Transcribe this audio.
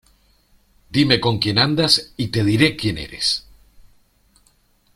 Dime con quién andas y te diré quién eres.